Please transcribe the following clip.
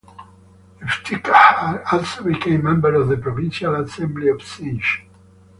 Iftikhar also became member of the Provincial Assembly of Sindh.